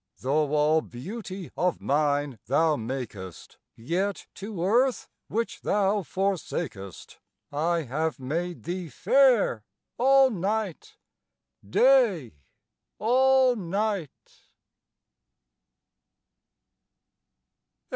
Though all beauty of nine thou makest, Yet to earth which thou forsakest I have made thee fair all night, Day all night.